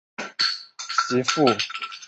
其父按浑察至顺元年薨。